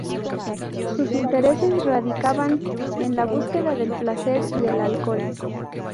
Sus intereses radicaban en la búsqueda del placer y el alcohol.